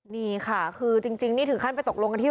นี่ค่ะคือจริงนี่ถึงขั้นไปตกลงกันที่